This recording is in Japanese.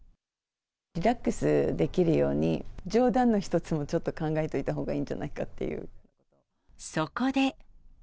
リラックスできるように、冗談の一つもちょっと考えていったほうがいいんじゃないかっていそこで。